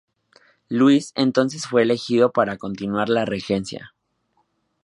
Luis entonces fue elegido para continuar la regencia.